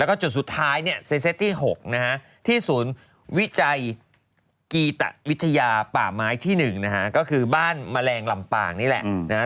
แล้วก็จุดสุดท้ายเนี่ยเซตที่๖นะฮะที่ศูนย์วิจัยกีตะวิทยาป่าไม้ที่๑นะฮะก็คือบ้านแมลงลำปางนี่แหละนะฮะ